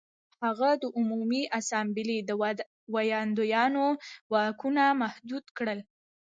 هغه د عمومي اسامبلې د ویاندویانو واکونه محدود کړل